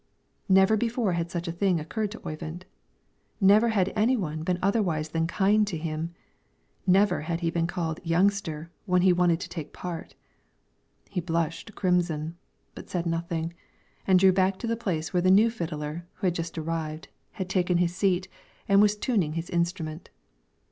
Never before had such a thing occurred to Oyvind; never had any one been otherwise than kind to him; never had he been called "youngster" when he wanted to take part; he blushed crimson, but said nothing, and drew back to the place where the new fiddler, who had just arrived, had taken his seat and was tuning his instrument.